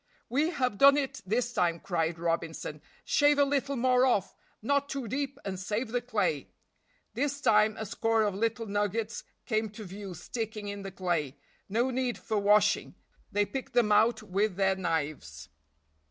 "We have done it this time," cried Robinson, "shave a little more off, not too deep, and save the clay." This time a score of little nuggets came to view sticking in the clay; no need for washing, they picked them out with their knives.